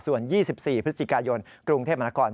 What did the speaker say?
ส่วน๒๔พฤศจิกายนกรุงเทพมนาคม